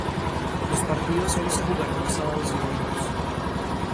Los partidos solo se jugarán los sábados y domingos.